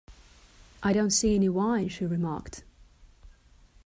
‘I don’t see any wine,’ she remarked.